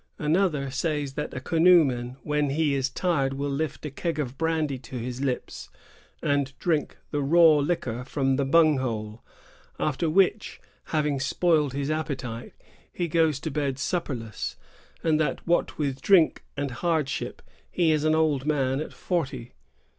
* Another says that a canoe man when he is tired will lift a keg of brandy to his lips and drink the raw liquor from the bung hole, after which, having spoiled his appe tite, he goes to bed supperless ; and that, what with drink and hardship, he is an old man at forty.